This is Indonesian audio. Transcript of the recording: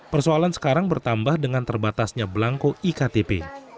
persoalan sekarang bertambah dengan terbatasnya belangko iktp